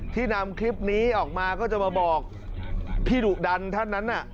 นำคลิปนี้ออกมาก็จะมาบอกพี่ดุดันท่านนั้นน่ะ